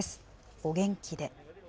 お元気で。